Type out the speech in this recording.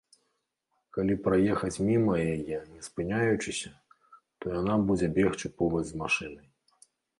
Калі праехаць міма яе не спыняючыся, то яна будзе бегчы побач з машынай.